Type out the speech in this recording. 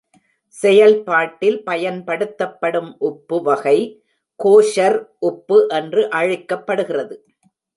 செயல்பாட்டில் பயன்படுத்தப்படும் உப்பு வகை கோஷர் உப்பு என்று அழைக்கப்படுகிறது.